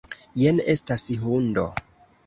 Jen estas hundo.